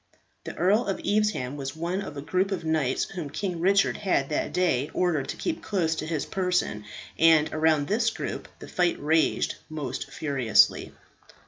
The Earl of Evesham was one of a group of knights whom King Richard had that day ordered to keep close to his person, and around this group the fight raged most furiously.